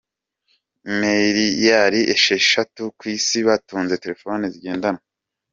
Miliyari esheshatu ku isi batunze telefone zigendanwa